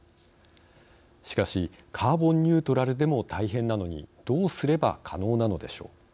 しかしカーボンニュートラルでも大変なのにどうすれば可能なのでしょう。